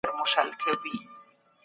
روغتیايي پوهاوی د ټولني لپاره ګټور دی.